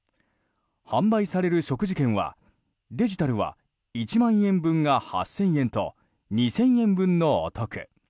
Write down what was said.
販売される食事券は、デジタルは１万円分が８０００円と２０００円分のお得。